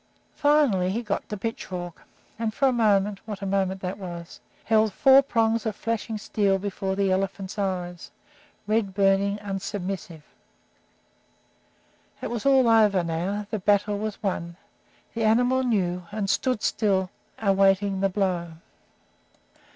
Finally, he got the pitchfork, and for a moment what a moment that was! held four prongs of flashing steel before the elephant's eyes, red burning, unsubmissive. It was all over now, the battle was won, the animal knew, and stood still awaiting the blow.